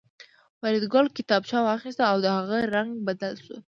فریدګل کتابچه واخیسته او د هغه رنګ بدل شو